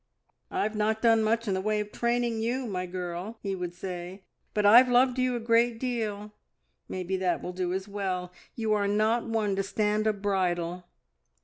`I've not done much in the way of training you, my girl,' he would say, `but I've loved you a great deal. Maybe that will do as well. You are not one to stand a bridle.'